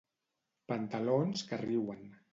Pantalons que riuen.